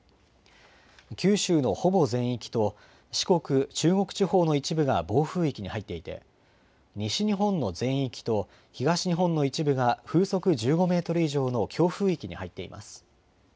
九州のほぼ全域と四国、中国地方の一部が暴風域に入っていて、西日本の全域と東日本の一部が風速１５メートル以上の強風域に入っています。